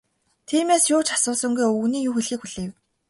Тиймээс юу ч асуусангүй, өвгөний юу хэлэхийг хүлээв.